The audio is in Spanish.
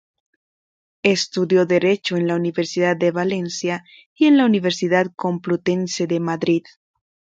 Estudió derecho en la Universidad de Valencia y en la Universidad Complutense de Madrid.